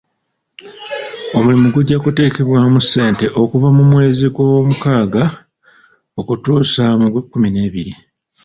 Omulimu gujja kuteekebwamu ssente okuva mu mwezi gwa gwomukaaga okutuusa mu gwekkumi n'ebiri.